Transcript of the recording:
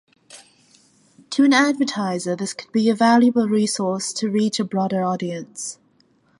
To an advertiser this could be a valuable resource to reach a broader audience.